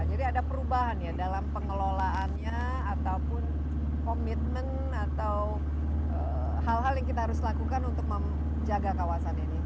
jadi ada perubahan ya dalam pengelolaannya ataupun komitmen atau hal hal yang kita harus lakukan untuk menjaga kawasan ini